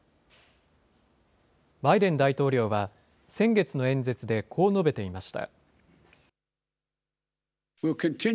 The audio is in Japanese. バイデン大統領は、先月の演説でこう述べていました。